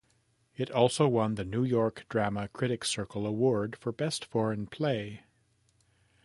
It also won the New York Drama Critics Circle award for Best Foreign Play.